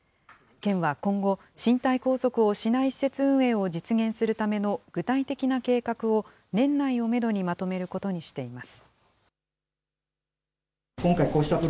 県は今後、身体拘束をしない施設運営を実現するための具体的な計画を、年内をメドにまとめることにしています。